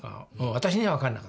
私には分からなかった。